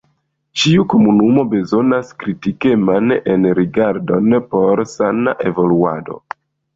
Ĉiu komunumo bezonas kritikeman enrigardon por sana evoluado.